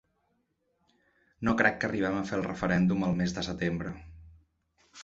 No crec que arribem a fer el referèndum el mes de setembre.